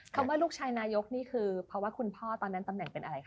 ว่าลูกชายนายกนี่คือเพราะว่าคุณพ่อตอนนั้นตำแหน่งเป็นอะไรคะ